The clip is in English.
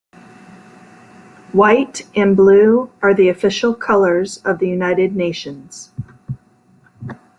White and blue are the official colours of the United Nations.